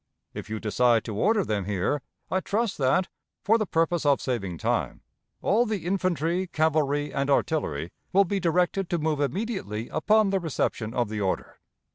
If you decide to order them here, I trust that, for the purpose of saving time, all the infantry, cavalry, and artillery will be directed to move immediately upon the reception of the order.